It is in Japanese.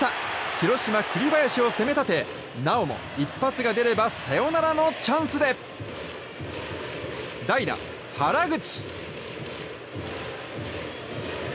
広島、栗林を攻め立てなおも一発が出ればサヨナラのチャンスで代打、原口。